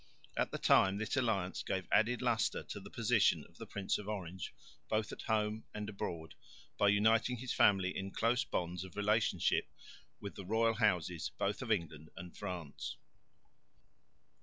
At the time this alliance gave added lustre to the position of the Prince of Orange, both at home and abroad, by uniting his family in close bonds of relationship with the royal houses both of England and France.